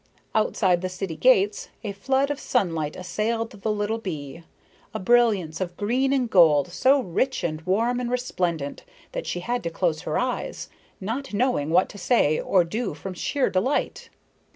Outside the city gates, a flood of sunlight assailed the little bee, a brilliance of green and gold, so rich and warm and resplendent that she had to close her eyes, not knowing what to say or do from sheer delight.